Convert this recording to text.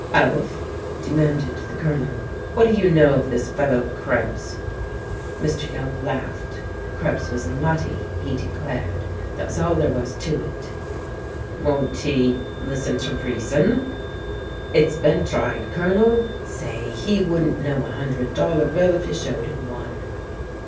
"Alf," demanded the Colonel, "what do you know of this fellow Krebs?" Mr. Young laughed. Krebs was "nutty," he declared that was all there was to it. "Won't he listen to reason?" "It's been tried, Colonel. Say, he wouldn't know a hundred dollar bill if you showed him one."